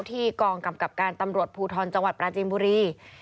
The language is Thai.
ที่กองกำกับการตำรวจภูทรจังหวัดปราจีนบุรี